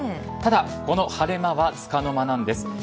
ただ、この晴れ間はつかの間なんです。